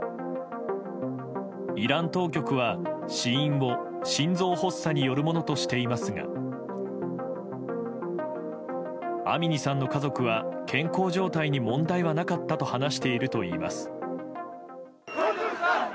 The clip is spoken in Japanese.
イラン当局は、死因を心臓発作によるものとしていますがアミニさんの家族は健康状態に問題はなかったと話しているといいます。